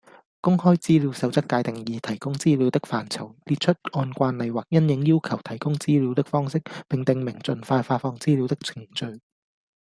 公開資料守則界定擬提供資料的範疇，列出按慣例或因應要求提供資料的方式，並訂明盡快發放資料的程序